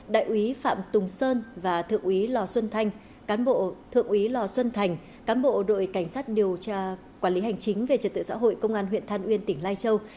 đại úy phạm tùng sơn và thượng úy lò xuân thành cán bộ đội cảnh sát điều tra quản lý hành chính về trật tự xã hội công an huyện than uyên tỉnh lai châu